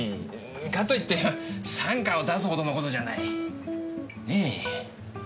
かといって三課を出すほどの事じゃない。ねぇ。